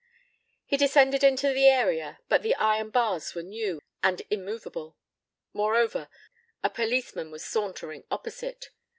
He descended into the area, but the iron bars were new, and immovable. Moreover, a policeman was sauntering opposite.